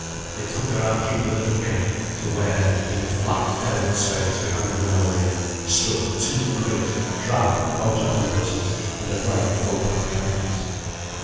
They took her out through the little gate, to where, in the flat desert space behind the railway, stood two great drab motor omnibuses, and a rank of open carriages.